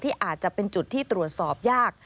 อาจจะเป็นจุดที่ตรวจสอบยาก